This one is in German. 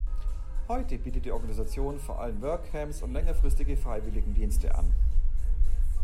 Heute bietet die Organisation vor allem Workcamps und längerfristige Freiwilligendienste an.